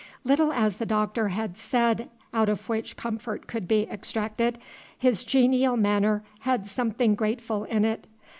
Little as the Doctor had said out of which comfort could be extracted, his genial manner had something grateful in it.